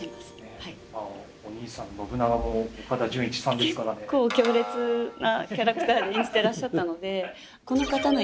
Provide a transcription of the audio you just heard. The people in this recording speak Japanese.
結構強烈なキャラクターで演じてらっしゃったのできれいだねえ。